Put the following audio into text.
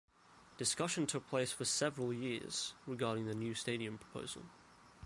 Discussion took place for several years regarding the new stadium proposal.